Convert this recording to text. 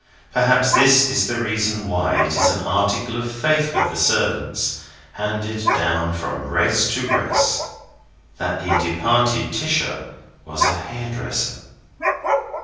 Perhaps this is the reason why it is an article of faith with the servants, handed down from race to race, that the departed Tisher was a hairdresser.